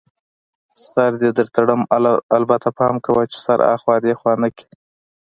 سر دې در تړم، البته پام کوه چي سر اخوا دیخوا نه کړې.